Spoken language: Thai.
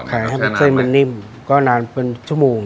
ให้เป็นเส้นมันนิ่มก็นานเป็นชั่วโมง